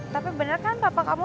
tapi bener kan bapak kamu